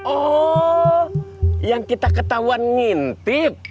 oh yang kita ketahuan ngintip